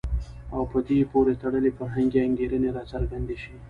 او په دې پورې تړلي فرهنګي انګېرنې راڅرګندې شي.